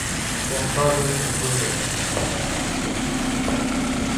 د اکا زوی تربور دی